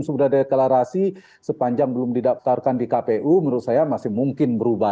sudah deklarasi sepanjang belum didaftarkan di kpu menurut saya masih mungkin berubah